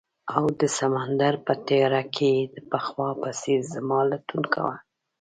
او د سمندر په تیاره کې یې د پخوا په څیر زما لټون کاؤه